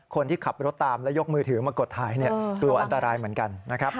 คนที่ขับรถตามแล้วยกมือถือมากดถ่ายกลัวอันตรายเหมือนกันนะครับ